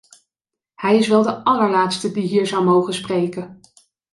Hij is wel de allerlaatste die hier zou mogen spreken.